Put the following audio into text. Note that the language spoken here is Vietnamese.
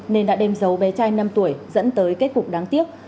nên đã đem dấu bé trai năm tuổi dẫn tới kết cục đáng tiếc